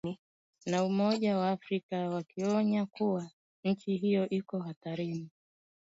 na Umoja wa Afrika wakionya kuwa nchi hiyo iko hatarini